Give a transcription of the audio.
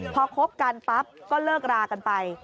พอคบกันปั๊บก็เลิกรากันไป